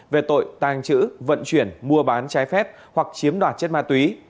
về tội tàng trữ vận chuyển mua bán trái phép hoặc chiếm đoạt chất ma túy